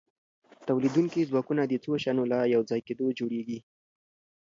تولیدونکي ځواکونه د څو شیانو له یوځای کیدو جوړیږي.